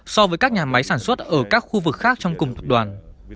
so với các nhà máy sản xuất ở các khu vực khác trong cùng tập đoàn